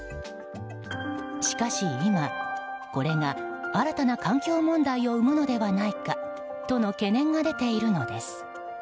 しかし今、これが新たな環境問題を生むのではないかとの懸念が出ているのです。